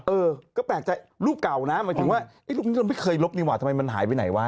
เออก็แปลกใจรูปเก่านะหมายถึงว่ารูปนี้เราไม่เคยลบดีกว่าทำไมมันหายไปไหนวะ